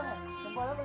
ini mbak putri